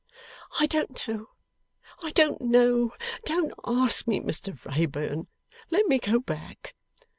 'I don't know, I don't know. Don't ask me, Mr Wrayburn. Let me go back.